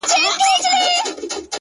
سیاه پوسي ده، ورځ نه ده شپه ده،